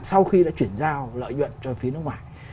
sau khi đã chuyển giao lợi nhuận cho phía nước ngoài